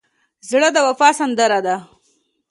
زړه د وفا سندره ده.